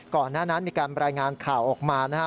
ก่อนหน้านั้นมีการรายงานข่าวออกมานะฮะ